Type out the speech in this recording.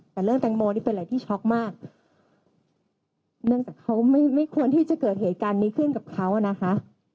แต่เรื่องแตงโมนี่เป็นอะไรที่ช็อกมากเนื่องจากเขาไม่ไม่ควรที่จะเกิดเหตุการณ์นี้ขึ้นกับเขาอ่ะนะคะ